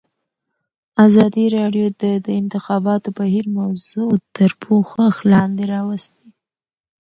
ازادي راډیو د د انتخاباتو بهیر موضوع تر پوښښ لاندې راوستې.